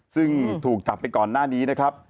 ซึ่งถูกจับไปก่อนหน้านี้นะครับ